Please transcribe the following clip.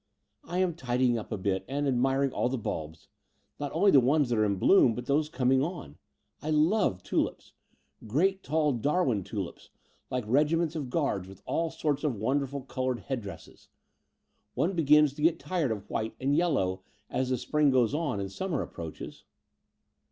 I am tidying up a bit and admiring all the bulbs, not only the ones that are in bloom, but those coming on. I love tulips — great tall Darwin tulips, like regiments of Guards with all sorts of wonderful coloured head dresses. One begins to get tired of white and yellow as the spring goes on and stmmier approaches."